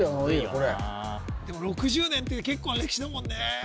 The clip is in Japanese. これでも６０年って結構な歴史だもんね